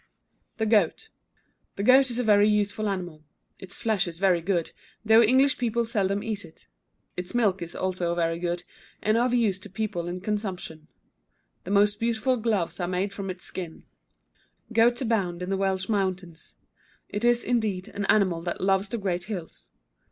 THE GOAT. The goat is a very useful animal. Its flesh is very good, though English people seldom eat it. Its milk is very good also, and of use to people in consumption. The most beautiful gloves are made from its skin. [Illustration: GOATS.] Goats abound on the Welsh mountains; it is, indeed, an animal that loves the great hills.